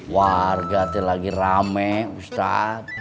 warganya lagi rame ustadz